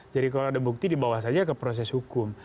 jadi kalau ada bukti dibawa saja ke proses hukum